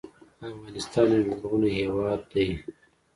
افغانستان یو لرغونی هیواد دی.